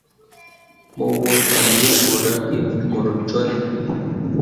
Mo woo fan yeɓ ɓo ra ge mor jolle.